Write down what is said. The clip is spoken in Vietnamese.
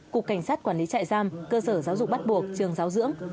cục cảnh sát quản lý trại giam cơ sở giáo dục bắt buộc trường giáo dưỡng